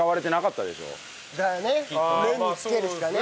麺につけるしかね。